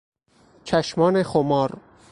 چشمان خمار